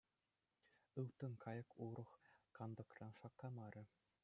Ылтӑн кайӑк урӑх кантӑкран шаккамарӗ.